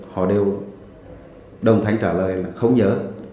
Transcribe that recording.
họ đều đồng thanh trả lời là không nhớ